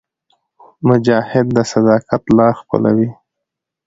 مجاهد د صداقت لاره خپلوي.